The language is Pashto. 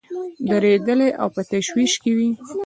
دردېدلي او په تشویش کې وي.